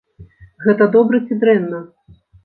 Гэта добра ці дрэнна?